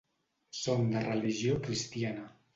Són de religió cristiana.